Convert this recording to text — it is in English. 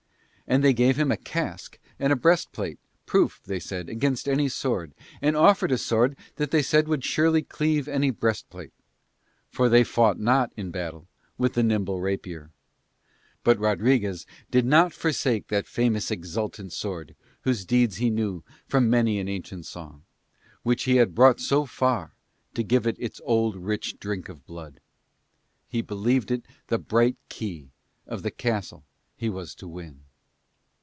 And they gave him a casque and breast plate, proof, they said, against any sword, and offered a sword that they said would surely cleave any breast plate. For they fought not in battle with the nimble rapier. But Rodriguez did not forsake that famous exultant sword whose deeds he knew from many an ancient song; which he had brought so far to give it its old rich drink of blood. He believed it the bright key of the castle he was to win.